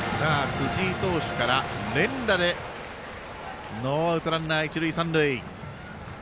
辻井投手から連打でノーアウト、ランナー、一塁三塁。